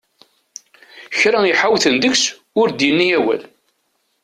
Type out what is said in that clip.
Kra i ḥawten deg-s ur d-yenni awal!